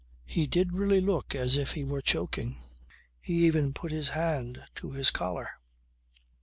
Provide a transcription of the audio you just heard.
He did really look as if he were choking. He even put his hand to his collar